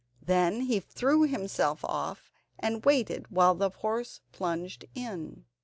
Then he threw himself off, and waited while the horse plunged in.